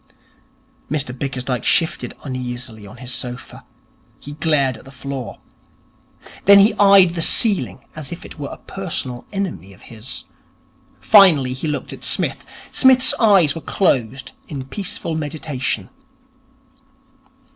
Mr Bickersdyke shifted uneasily on his sofa. He glared at the floor. Then he eyed the ceiling as if it were a personal enemy of his. Finally he looked at Psmith. Psmith's eyes were closed in peaceful meditation.